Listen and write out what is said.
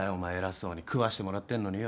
食わしてもらってんのによ。